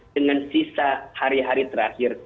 dengan sisa hari hari terakhir